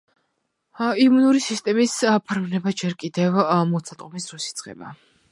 იმუნური სისტემის ფორმირება ჯერ კიდევ მუცლადყოფნის დროს იწყება.